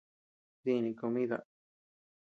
Díni comida.